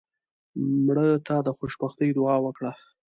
مړه ته د خوشبختۍ دعا وکړه